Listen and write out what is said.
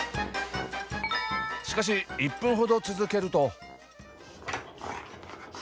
しかし１分ほど続けると。